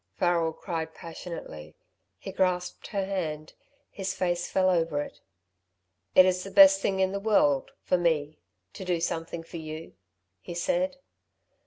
Farrel cried, passionately. He grasped her hand. His face fell over it. "It is the best thing in the world ... for me ... to do something for you," he said.